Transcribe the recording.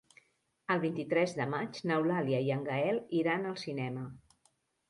El vint-i-tres de maig n'Eulàlia i en Gaël iran al cinema.